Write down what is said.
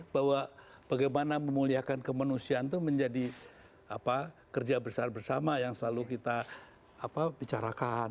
bahwa bagaimana memuliakan kemanusiaan tuh menjadi kerja bersama sama yang selalu kita bicarakan